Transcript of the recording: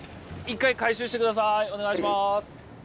・お願いします